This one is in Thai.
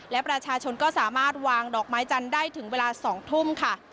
และประชาชนก็สามารถวางดอกไม้จันทร์ได้ถึงเวลา๒ทุ่มค่ะ